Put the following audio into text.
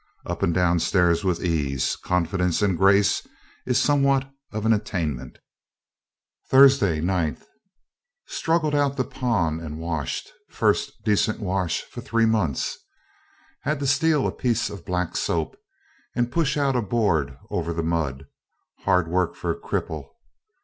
Up and down stairs with ease, confidence, and grace, is somewhat of an attainment. Thursday, 9th. Struggled out to pond and washed; first decent wash for three months. Had to steal a piece of black soap, and push out a board over the mud, hard work for a cripple.